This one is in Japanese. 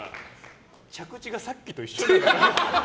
着地がさっきと一緒じゃん。